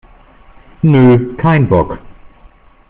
Nö, kein Bock!